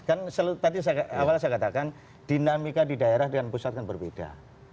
kan tadi awal saya katakan dinamika di daerah dengan pusat kan berbeda